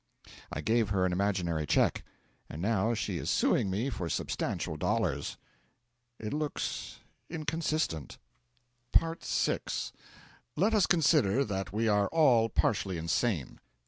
I gave her an imaginary cheque, and now she is suing me for substantial dollars. It looks inconsistent. VI Let us consider that we are all partially insane.